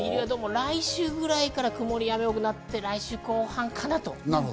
来週ぐらいから曇りや雨が多くて来週後半かなと。